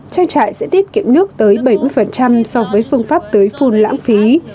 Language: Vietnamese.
trang trại sẽ tiết kiệm nước tới bảy mươi so với phương pháp tưới phun lãng phí